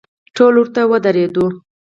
ټول ورته ودریدو.